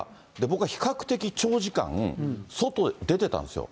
僕は比較的長時間、外出てたんですよ。